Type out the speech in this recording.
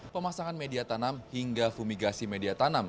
pemasangan media tanam hingga fumigasi media tanam